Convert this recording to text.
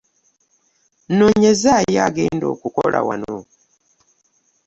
Nnoonyezaayo agenda okukola wano.